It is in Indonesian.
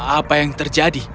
apa yang terjadi